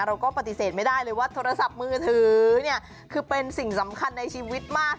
เราก็ปฏิเสธไม่ได้เลยว่าโทรศัพท์มือถือเนี่ยคือเป็นสิ่งสำคัญในชีวิตมาก